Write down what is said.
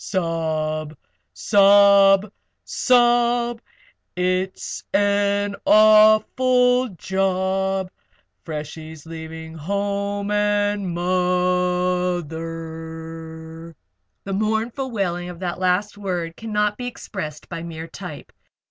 Sob! Sob! Sob! It's an awful job Freshie's leaving home and mo o ther!" The mournful wailing of that last word cannot be expressed by mere type.